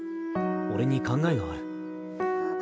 俺に考えがある。